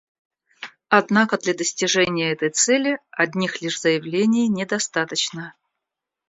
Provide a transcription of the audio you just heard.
Однако для достижения этой цели одних лишь заявлений недостаточно.